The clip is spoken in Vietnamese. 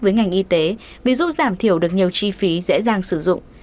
với ngành y tế vì giúp giảm thiểu được nhiều chi phí dễ dàng sử dụng